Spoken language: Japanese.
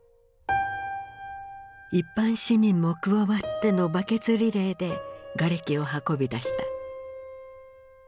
一般市民も加わってのバケツリレーでがれきを運び出した。